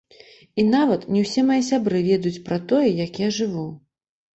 І нават не ўсе мае сябры ведаюць пра тое, як я жыву.